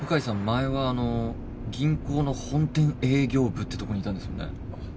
前は銀行の本店営業部ってとこにいたんですよね？